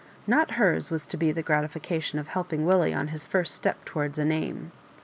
Not hers was to be the gratification of helping Willie on his first step towards a Name.